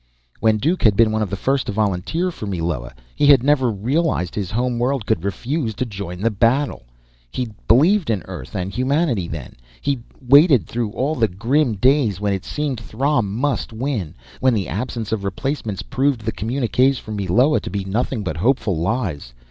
When Duke had been one of the first to volunteer for Meloa, he had never realized his home world could refuse to join the battle. He'd believed in Earth and humanity then. He'd waited through all the grim days when it seemed Throm must win when the absence of replacements proved the communiques from Meloa to be nothing but hopeful lies.